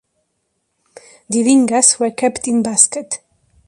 The Lingas were kept in basket.